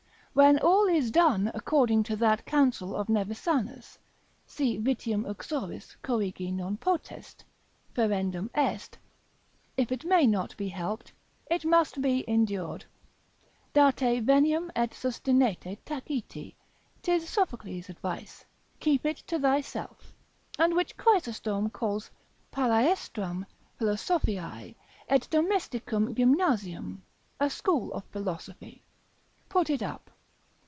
When all is done according to that counsel of Nevisanus, si vitium uxoris corrigi non potest, ferendum est: if it may not be helped, it must be endured. Date veniam et sustinete taciti, 'tis Sophocles' advice, keep it to thyself, and which Chrysostom calls palaestram philosophiae, et domesticum gymnasium a school of philosophy, put it up.